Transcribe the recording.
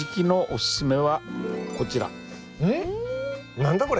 何だこれ？